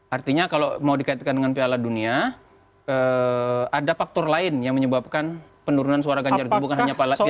artinya kalau mau dikaitkan dengan piala dunia ada faktor lain yang menyebabkan penurunan suara ganjar itu bukan hanya piala dunia